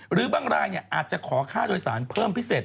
หรือบางรายอาจจะขอค่าโดยสารเพิ่มพิเศษ